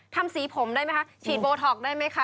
ทำสีผมได้ไหมคะฉีดโบท็อกได้ไหมคะ